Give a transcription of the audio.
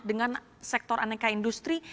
dengan sektor aneka industri